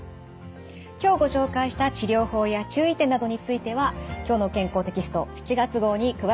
今日ご紹介した治療法や注意点などについては「きょうの健康」テキスト７月号に詳しく掲載されています。